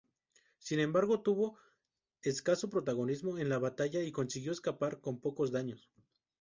Sin embargo, tuvo escaso protagonismo en la batalla y consiguió escapar con pocos daños.